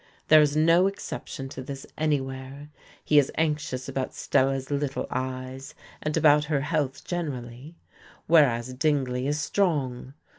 There is no exception to this anywhere. He is anxious about Stella's "little eyes," and about her health generally; whereas Dingley is strong.